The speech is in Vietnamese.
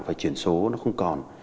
phải chuyển số nó không còn